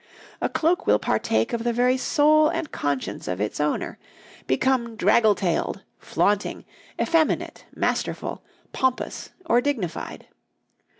A cloak will partake of the very soul and conscience of its owner; become draggle tailed, flaunting, effeminate, masterful, pompous, or dignified.